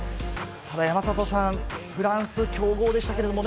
山里さん、フランス、強豪でしたけれどもね。